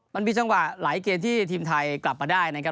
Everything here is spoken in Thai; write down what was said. มันมีจังหวะหลายเกมที่ทีมไทยกลับมาได้นะครับ